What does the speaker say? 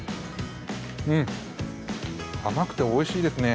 甘くておいしいですね。